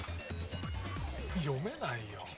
読めないよ